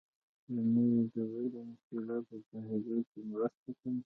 د نوې ډبرې انقلاب په پوهېدو کې مرسته کوي